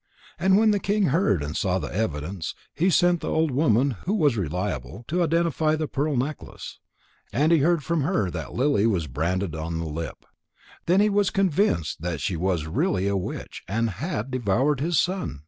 And when the king heard and saw the evidence, he sent the old woman, who was reliable, to identify the pearl necklace. And he heard from her that Lily was branded on the hip. Then he was convinced that she was really a witch and had devoured his son.